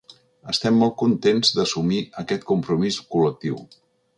Estem molt contents d’assumir aquest compromís col·lectiu.